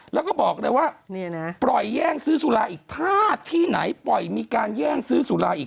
แล้วก็บอกเลยว่าปล่อยแย่งซื้อสุราอีกถ้าที่ไหนปล่อยมีการแย่งซื้อสุราอีก